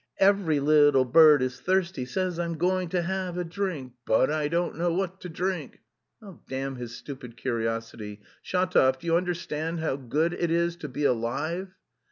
'Every little bird...is...thirsty, Says I'm going to...have a drink, But I don't...know what to drink....' "Damn his stupid curiosity! Shatov, do you understand how good it is to be alive!"